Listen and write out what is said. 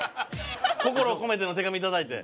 心を込めての手紙頂いて。